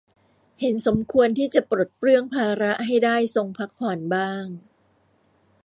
เห็นสมควรที่จะปลดเปลื้องภาระให้ได้ทรงพักผ่อนบ้าง